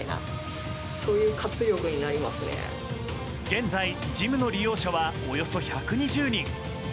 現在、ジムの利用者はおよそ１２０人。